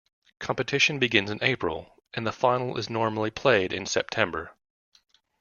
Competition begins in April, and the final is normally played in September.